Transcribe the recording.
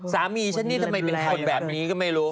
ฉันนี่ทำไมเป็นคนแบบนี้ก็ไม่รู้